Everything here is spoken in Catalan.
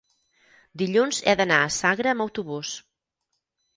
Dilluns he d'anar a Sagra amb autobús.